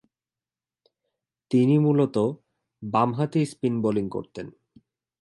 তিনি মূলতঃ বামহাতি স্পিন বোলিং করতেন।